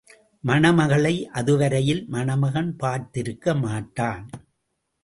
மணமகளை அதுவரையில் மணமகன் பார்த்திருக்க மாட்டான்.